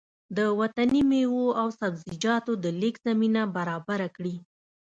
د وطني مېوو او سبزيجاتو د لېږد زمينه برابره کړي